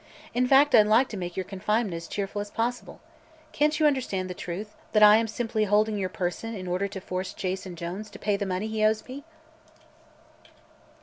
In fact, I'd like to make your confinement as cheerful as possible. Can't you understand the truth that I am simply holding your person in order to force Jason Jones to pay the money he owes me?"